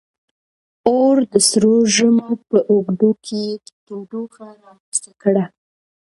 • اور د سړو ژمو په اوږدو کې تودوخه رامنځته کړه.